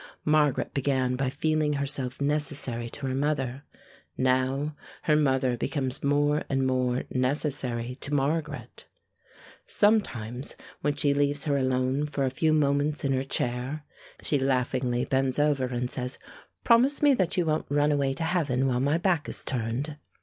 Margaret began by feeling herself necessary to her mother; now her mother becomes more and more necessary to Margaret. Sometimes when she leaves her alone for a few moments in her chair, she laughingly bends over and says, "Promise me that you won't run away to heaven while my back is turned."